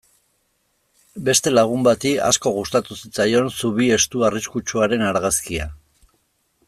Beste lagun bati asko gustatu zitzaion zubi estu arriskutsuaren argazkia.